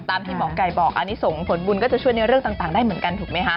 ที่หมอไก่บอกอันนี้ส่งผลบุญก็จะช่วยในเรื่องต่างได้เหมือนกันถูกไหมคะ